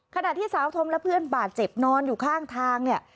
ขณะที่สาวธอมและเพื่อนบาดเจ็บนอนอยู่ข้างทางเนี่ย